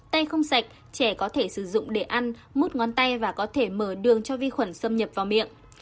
tay không sạch trẻ có thể sử dụng để ăn mút ngón tay và có thể mở đường cho vi khuẩn xâm nhập vào miệng